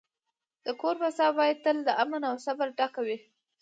د کور فضا باید تل د امن او صبر ډکه وي.